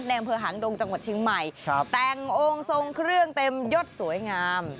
แดงเพลิงหางดงจังหวัดชิงใหม่แต่งโองทรงเครื่องเต็มยดสวยงาม